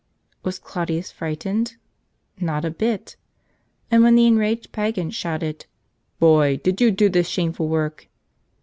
Was Claudius frightened? Not a bit! And when the enraged pagan shouted, "Boy, did you do this shameful work?"